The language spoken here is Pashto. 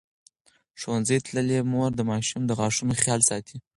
ښوونځې تللې مور د ماشوم د غاښونو خیال ساتي.